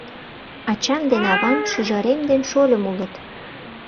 — Ачам ден авам, шӱжарем ден шольым улыт.